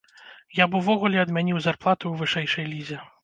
Я б увогуле адмяніў зарплаты ў вышэйшай лізе.